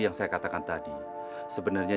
yang saya katakan tadi sebenarnya